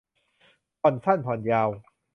ผ่อนสั้นผ่อนยาว